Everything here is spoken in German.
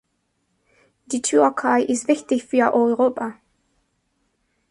Die Türkei ist wichtig für Europa.